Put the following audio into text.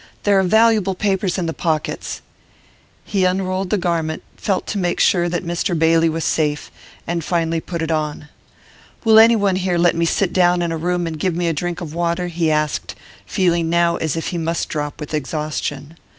There are valuable papers in the pockets.' He unrolled the garment, felt to make sure that 'Mr Bailey' was safe, and finally put it on. 'Will anyone here let me sit down in a room and give me a drink of water?' he asked, feeling now as if he must drop with exhaustion.